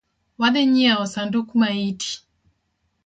Wadhi nyieo sanduk maiti